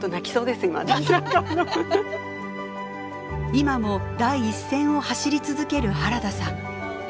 今も第一線を走り続ける原田さん。